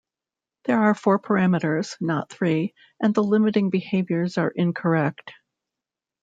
There are four parameters, not three; and the limiting behaviors are incorrect.